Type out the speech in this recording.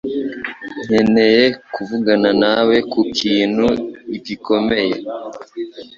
nkeneye kuvugana nawe kukintu gikomeye.